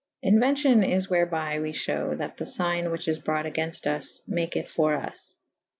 Inuencion ^ is wherby we f hewe that the figne whiche is brought agaynfte vs . maketh for vs.